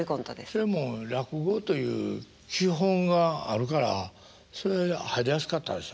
それはもう落語という基本があるからそれ入りやすかったでしょうね。